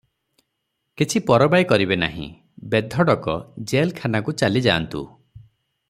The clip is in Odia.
କିଛି ପରବାଏ କରିବେ ନାହିଁ, ବେଧଡ଼କ ଜେଲ୍ ଖାନାକୁ ଚାଲିଯାଆନ୍ତୁ ।